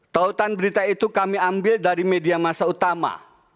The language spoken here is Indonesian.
tautan berita itu kami ambil dari media masa utama